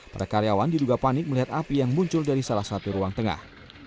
para karyawan diduga panik melihat api yang muncul dari salah satu ruang tengah